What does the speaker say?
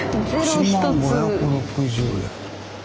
１０，５６０円。